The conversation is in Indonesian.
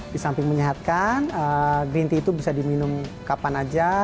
disamping menyehatkan green tea itu bisa diminum kapan aja